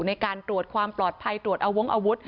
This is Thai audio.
ในการตรวจความปลอดภัยตรวจอาวงอาวุธ